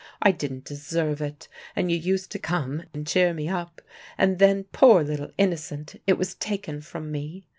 I didn't deserve it, and you used to come and cheer me up. And then, poor little innocent, it was taken from me.